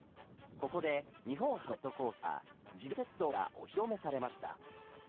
ここで日本初のジェットコースター「自動鉄道」がお披露目されました。